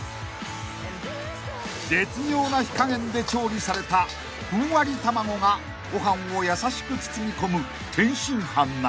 ［絶妙な火加減で調理されたふんわり卵がご飯を優しく包み込む］